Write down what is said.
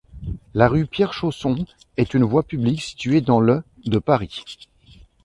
La rue Pierre-Chausson est une voie publique située dans le de Paris.